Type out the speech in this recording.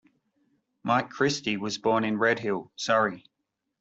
Mike Christie was born in Redhill, Surrey.